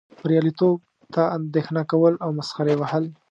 بریالیتوب ته اندیښنه کول او مسخرې وهل.